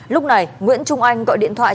lúc này nguyễn trung anh gọi điện thoại